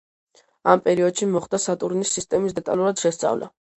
ამ პერიოდში, მოხდა სატურნის სისტემის დეტალურად შესწავლა.